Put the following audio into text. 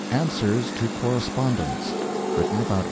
ANSWERS TO CORRESPONDENTS [Written about 1865.